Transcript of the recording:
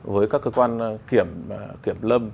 với các cơ quan kiểm lâm